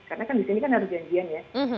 karena kan di sini kan harus janjian ya